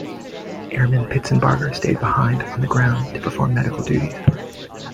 Airman Pitsenbarger stayed behind, on the ground, to perform medical duties.